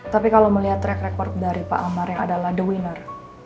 tapi kalau melihat track record dari pak amar yang adalah the winner